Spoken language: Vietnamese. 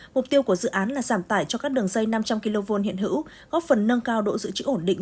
mục tiêu của dự án là giảm tải cho các đường dây năm trăm linh kv hiện hữu góp phần nâng cao độ dự trữ ổn định